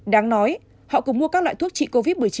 đáng nói họ cùng mua các loại thuốc trị covid một mươi chín